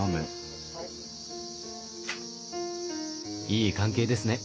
いい関係ですね。